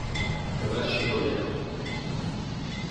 Tadashi Koya